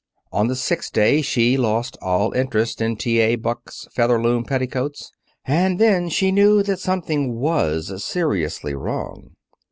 On the sixth day she lost all interest in T. A. Buck's Featherloom Petticoats. And then she knew that something was seriously wrong.